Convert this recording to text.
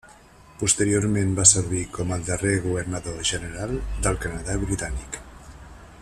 Posteriorment va servir com el darrer Governador General del Canadà britànic.